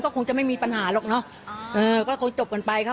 คงจะไม่มีปัญหาหรอกเนอะเออก็คงจบกันไปครับ